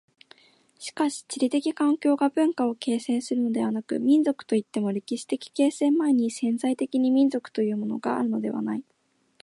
しかし地理的環境が文化を形成するのでもなく、民族といっても歴史的形成前に潜在的に民族というものがあるのではない。